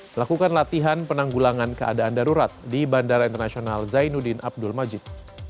melakukan latihan penanggulangan keadaan darurat di bandara internasional zainuddin abdul majid